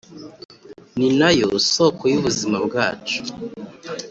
ninayo soko y’ubuzima bwacu